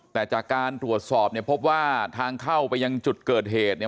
แต่จากการตรวจสอบเนี่ยพบว่าทางเข้าไปยังจุดเกิดเหตุเนี่ย